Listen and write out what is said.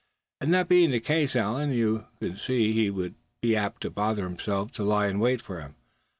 And that being the case, Allan, you can see he wouldn't be apt to bother himself to lie in wait for him.